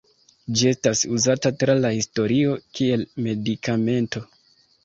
Ĝi estas uzata tra la historio kiel medikamento.